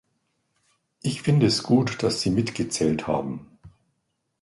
Ich finde es gut, dass Sie mitgezählt haben.